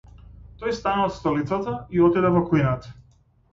Тој стана од столицата и отиде во кујната.